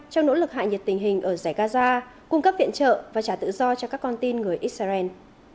trong nỗ lực hạ nhiệt tình hình ở giải gaza cung cấp viện trợ và trả tự do cho các con tin người israel